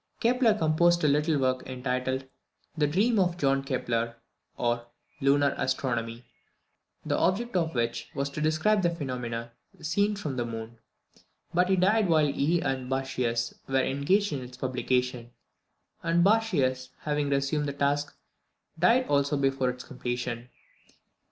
Kepler composed a little work entitled "The Dream of John Kepler, or Lunar Astronomy," the object of which was to describe the phenomena seen from the moon; but he died while he and Bartschius were engaged in its publication, and Bartschius having resumed the task, died also before its completion.